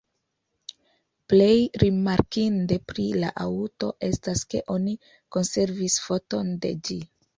Plej rimarkinde pri la aŭto estas ke oni konservis foton de ĝi.